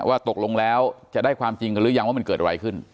ว่าตกลงแล้วจะได้ความจริงกันหรือยังว่ามันเกิดอะไรขึ้น